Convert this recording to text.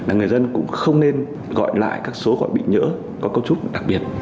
là người dân cũng không nên gọi lại các số gọi bị nhỡ có cấu trúc đặc biệt